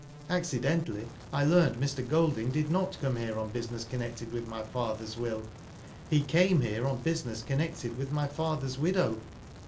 Accidentally I learned Mr. Golding did not come here on business connected with my father's will. He came here on business con nected with my father's widow."